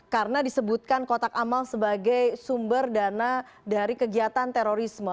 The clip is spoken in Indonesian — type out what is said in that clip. karena disebutkan kotak amal sebagai sumber dana dari kegiatan terorisme